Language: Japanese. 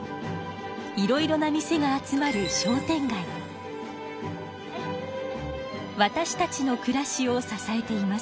いろいろな店が集まるわたしたちのくらしを支えています。